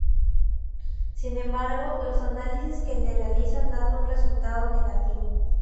Sin embargo, los análisis que le realizan dan un resultado negativo.